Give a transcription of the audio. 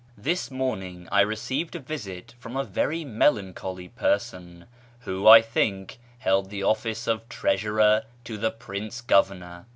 — This morning I re ceived a visit from a very melancholy person, who, I think, held the office of treasurer to the Prince Governor.